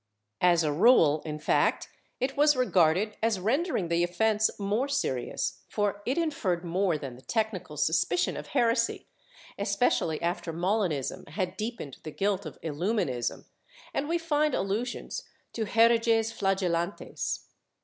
^ As a rule, in fact, it was regarded as rendering the offence more serious, for it inferred more than the technical suspicion of heresy, especially after Molinism had deepened the guilt of Illuminism, and w^e find allusions to hereges flagelantes.